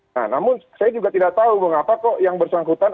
nah namun saya juga tidak tahu mengapa kok yang bersangkutan